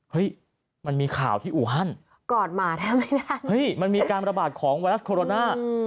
มันมีข่าวที่อูฮันกอดหมาแทบไม่ได้เฮ้ยมันมีการระบาดของไวรัสโคโรนา